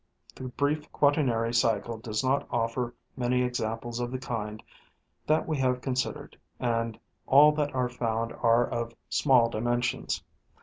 — The brief quaternary cycle does not offer many examples of the kind that we have considered, and all that are found are of small dimensions.